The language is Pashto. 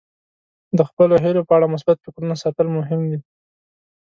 د خپلو هیلو په اړه مثبت فکرونه ساتل مهم دي.